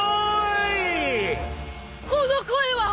この声は！